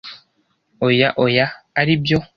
Oya, oya! aribyo.